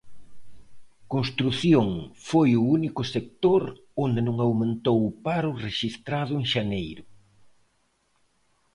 Construción foi o único sector onde non aumentou o paro rexistrado en xaneiro.